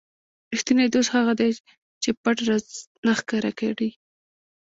ریښتینی دوست هغه دی چې پټ راز نه ښکاره کړي.